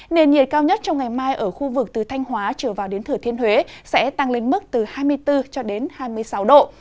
nền nhiệt cao nhất trong ngày mai ở khu vực từ thanh hóa trở vào đến thừa thiên huế sẽ tăng lên mức từ hai mươi bốn cho đến hai mươi sáu độ